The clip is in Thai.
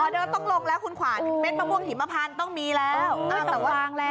ออเดิร์ฟต้องลงแล้วคุณขวานเบ้นประกวงหิมพันธุ์ต้องมีแล้ว